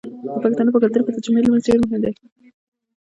د پښتنو په کلتور کې د جمعې لمونځ ډیر مهم دی.